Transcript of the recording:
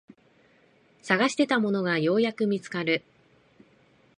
探していたものがようやく見つかる